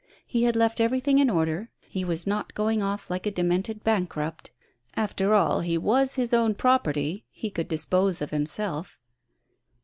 He had left everything in order; he was not going off like a demented bankrupt. After all, he was his own property; he could dispose of himself.